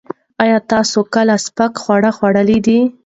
ایا تاسو کله سپک خواړه خوړلي دي؟